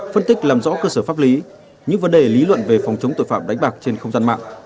phân tích làm rõ cơ sở pháp lý những vấn đề lý luận về phòng chống tội phạm đánh bạc trên không gian mạng